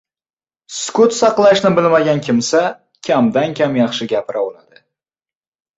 Sukut saqlashni bilmagan kimsa kamdan-kam yaxshi gapira oladi.